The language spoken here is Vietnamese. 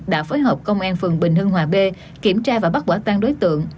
đã phối hợp công an phường bình hưng hòa b kiểm tra và bắt quả tăng đối tượng